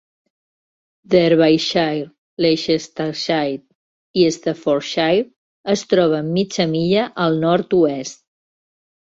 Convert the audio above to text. Derbyshire, Leicestershire i Staffordshire es troben mitja milla al nord-oest.